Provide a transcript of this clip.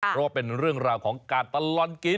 เพราะว่าเป็นเรื่องราวของการตลอดกิน